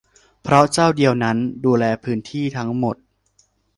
เพราะเจ้าเดียวนั่นดูแลพื้นที่ทั้งหมด